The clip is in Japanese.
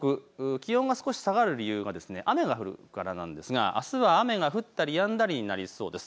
気温が少し下がる理由は雨が降るからなんですがあすは雨が降ったりやんだりになりそうです。